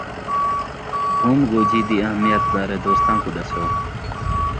بھُوم ڳوجھی دی اہمیت بارے دوستاں کوں ݙسو..